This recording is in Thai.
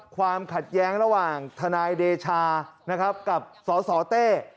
ความขัดแย้งระหว่างทนายเดชานะครับกับสสเต้